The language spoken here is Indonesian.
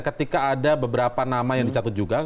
ketika ada beberapa nama yang dicatut juga